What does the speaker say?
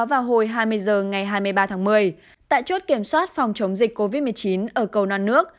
vào hồi hai mươi h ngày hai mươi ba tháng một mươi tại chốt kiểm soát phòng chống dịch covid một mươi chín ở cầu non nước